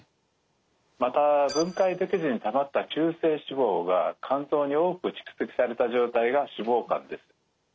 また分解できずにたまった中性脂肪が肝臓に多く蓄積された状態が脂肪肝です。